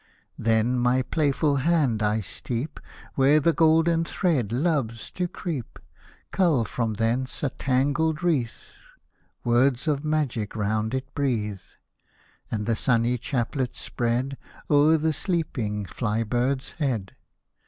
Then my playful hand I steep Where the gold thread loves to creep, Cull from thence a tangled wreath, Words of magic round it breathe. And the sunny chaplet spread O'er the sleeping fly bird's head.